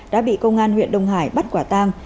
đã bị công an huyện đông hải bắt quả tang